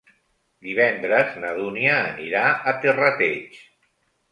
Divendres na Dúnia anirà a Terrateig.